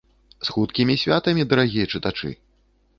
З хуткімі святамі, дарагія чытачы!